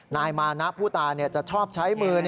นายมานะผู้ตายจะชอบใช้มือ